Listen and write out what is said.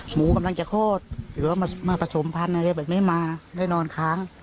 หมูกำลังจะโฆษหรือว่ามาพรรสมพันธ์อันนี้มาเลยนอนค้าง